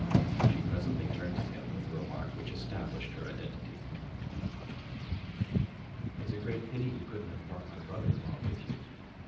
She presently turned to him with a remark which established her identity. "It's a great pity you couldn't have brought my brother in law with you.